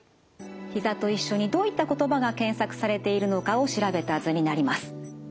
「ひざ」と一緒にどういった言葉が検索されているのかを調べた図になります。